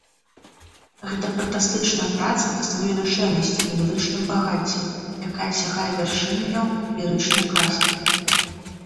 Гэта фантастычная праца па сваёй душэўнасці і музычным багацці, якая сягае вяршыняў лірычнай класікі.